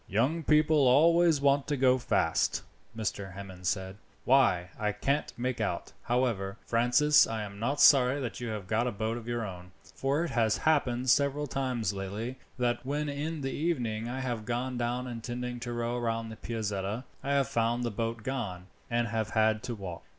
"Young people always want to go fast," Mr. Hammond said. "Why, I can't make out. However, Francis, I am not sorry that you have got a boat of your own, for it has happened several times lately, that when in the evening I have gone down intending to row round to the Piazzetta, I have found the boat gone, and have had to walk.